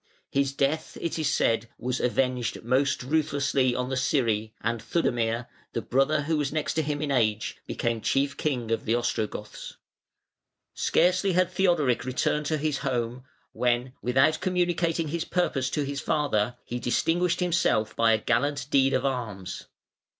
His death, it is said, was avenged most ruthlessly on the Scyri, and Theudemir, the brother who was next him in age, became chief king of the Ostrogoths. Scarcely had Theodoric returned to his home when, without communicating his purpose to his father, he distinguished himself by a gallant deed of arms.